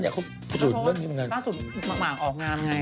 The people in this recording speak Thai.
ก็อยากเข้าสูตรเรื่องนี้มันกันขอโทษข้าวสูตรหมากออกงานไง